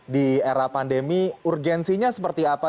di era pandemi urgensinya seperti apa